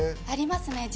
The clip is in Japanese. ありますね。